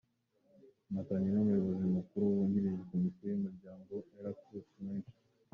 Byatangajwe n’Umuyobozi Mukuru wungirije wa komisiyo y’uyu muryango, Erastus Mwencha.